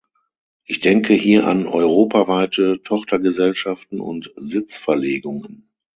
Ich denke hier an europaweite Tochtergesellschaften und Sitzverlegungen.